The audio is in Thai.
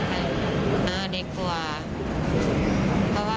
เต้นมกัน